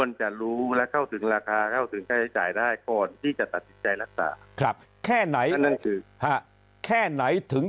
ที่จะตัดใจรักษาครับแค่ไหนอ่ะแค่ไหนถึง